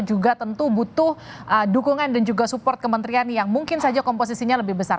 juga tentu butuh dukungan dan juga support kementerian yang mungkin saja komposisinya lebih besar